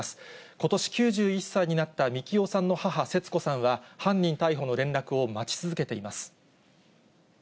ことし９１歳になったみきおさんの母、節子さんは、犯人逮捕の連絡を待ち続けています。